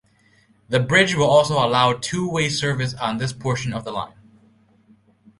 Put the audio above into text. The bridge will also allow two-way service on this portion of the line.